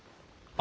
あ。